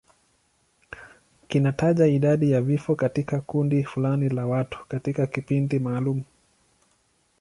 Kinataja idadi ya vifo katika kundi fulani la watu katika kipindi maalum.